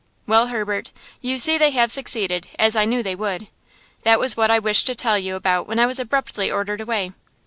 Well, Herbert, you see they have succeeded, as I knew they would. That was what I wished to tell you about when I was abruptly ordered away.